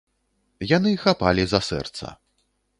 Яны хапалі за сэрца.